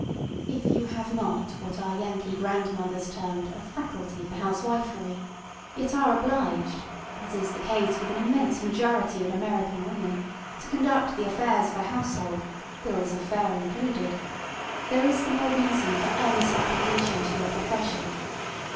If you have not what our Yankee grandmothers termed a ŌĆ£facultyŌĆØ for housewiferyŌĆöyet are obliged, as is the case with an immense majority of American women, to conduct the affairs of a household, bills of fare includedŌĆöthere is the more reason for earnest application to your profession.